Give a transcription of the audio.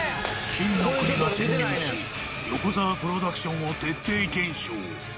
金の国が潜入しヨコザワ・プロダクションを徹底検証